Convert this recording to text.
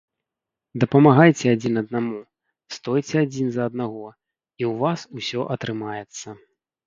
Дапамагайце адзін аднаму, стойце адзін за аднаго, і ў вас усё атрымаецца!